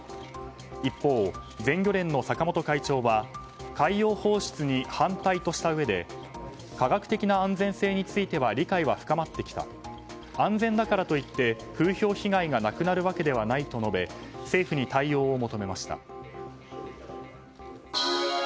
一方、全漁連・坂本会長は海洋放出に反対としたうえで科学的な安全性については理解は深まってきた安全だからといって、風評被害がなくなるわけではないと述べ政府に対応を求めました。